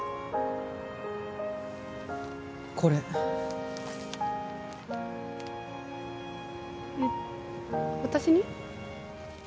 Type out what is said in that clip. これえっ私に？